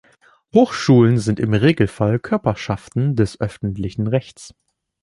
Hochschulen sind im Regelfall Körperschaften des öffentlichen Rechts.